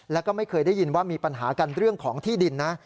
แล้วก็ไม่เคยได้ยินว่ามีปัญหากันเรื่องของที่ดินนะ